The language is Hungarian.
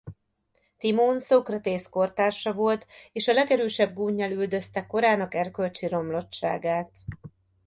Timon Szókratész kortársa volt és a legerősebb gúnnyal üldözte korának erkölcsi romlottságát.